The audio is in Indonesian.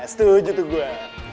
setuju tuh gue